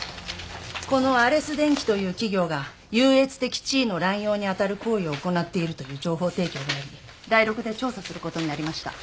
このアレス電機という企業が優越的地位の濫用に当たる行為を行っているという情報提供がありダイロクで調査することになりました。